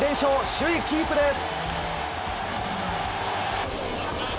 首位キープです。